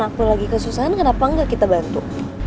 aku lagi kesusahan kenapa enggak kita bantu